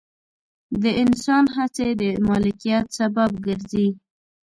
د انسان هڅې د مالکیت سبب ګرځي.